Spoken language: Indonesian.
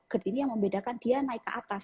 gerd ini yang membedakan dia naik ke atas